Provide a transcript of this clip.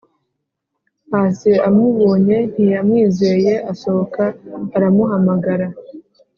pasi amubonye ntiyamwizeye asohoka aramuhamagara